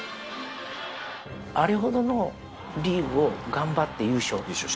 あれほどのリーグを頑張って優勝。